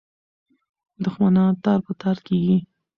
دښمنان تار په تار کېږي.